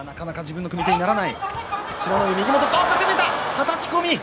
はたき込み。